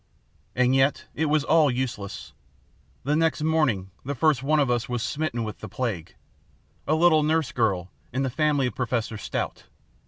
"And yet it was all useless. The next morning the first one of us was smitten with the plague a little nurse girl in the family of Professor Stout.